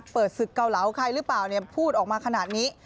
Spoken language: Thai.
เปิดศึกเกาเหลาใครหรือเปล่าพูดออกมาขนาดนี้